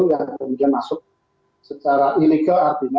yang mungkin masuk secara illegal artinya